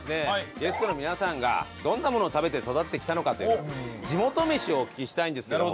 ゲストの皆さんがどんなものを食べて育ってきたのかという地元メシをお聞きしたいんですけども。